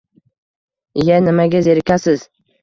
iye nimaga zerikasiz.